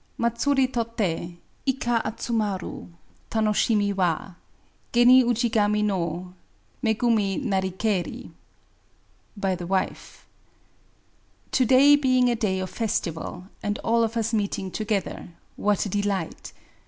Matsuri tote, IkksL atsumaru, Tanoshimi wal Geni Ujigami no Megumi narikeri. — By the to^e. To 'day being a day of festival, and all of us meeting together^ — what a dilight